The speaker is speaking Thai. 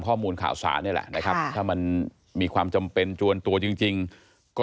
ข้อมูลข่าวสารนี่แหละนะครับถ้ามันมีความจำเป็นจวนตัวจริงก็